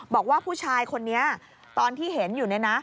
บอกว่าผู้ชายคนนี้ตอนที่เห็นอยู่เนี่ยนะ